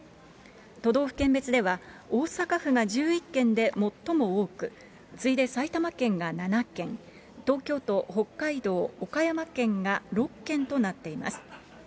都道府県別では、大阪府が１１件で最も多く、次いで埼玉県が７件、東京都、北海道、岡山県が６件となっています。